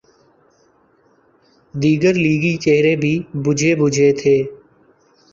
دیگر لیگی چہرے بھی بجھے بجھے تھے۔